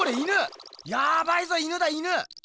ヤバいぞ犬だ犬！